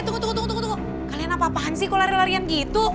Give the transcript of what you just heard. eh tunggu tunggu tunggu kalian apa apaan sih kok lari larian gitu